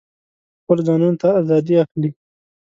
خپلو ځانونو ته آزادي اخلي.